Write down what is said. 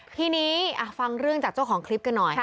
ทีนี้ฟังเรื่องจากเจ้าของคลิปกันหน่อย